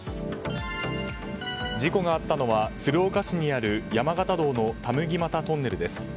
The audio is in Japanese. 事故があったのは鶴岡市にある山形道の田麦俣トンネルです。